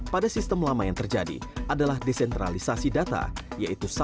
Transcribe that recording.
pada sistem lama yang terjadi adalah desentralisasi data yaitu